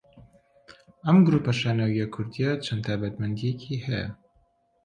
ئەم گروپە شانۆیییە کوردییە چەند تایبەتمەندییەکی هەیە